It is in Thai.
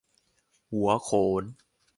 หัวโขน